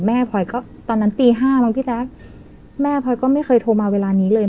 พลอยก็ตอนนั้นตีห้ามั้งพี่แจ๊คแม่พลอยก็ไม่เคยโทรมาเวลานี้เลย